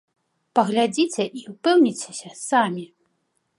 Паглядзіце і ўпэўніцеся самі.